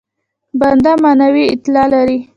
بنده معنوي اعتلا لري.